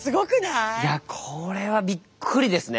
いやこれはびっくりですね。